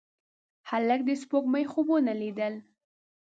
هلک د سپوږمۍ خوبونه لیدل.